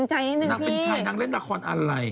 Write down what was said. นางเป็นใครนางเล่นละครอะไร